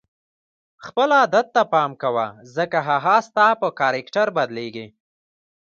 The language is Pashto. خپل عادت ته پام کوه ځکه هغه ستا په کرکټر بدلیږي.